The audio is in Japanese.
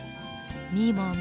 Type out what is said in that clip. みもも。